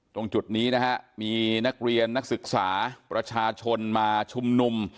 ตรงจุดนี้นะฮะมีนักเรียนนักศึกษาประชาชนมาชุมนุม